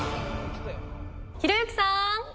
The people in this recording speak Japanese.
ひろゆきさん。